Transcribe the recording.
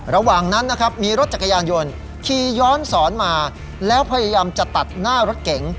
ระหว่างนั้นนะครับมีรถจักรยานยนต์ขี่ย้อนสอนมาแล้วพยายามจะตัดหน้ารถเก๋ง